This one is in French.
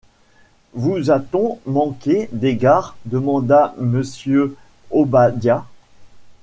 Vous a-t-on manqué d’égards? demanda Mr. Obadiah.